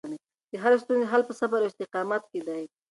د هرې ستونزې حل په صبر او استقامت کې دی.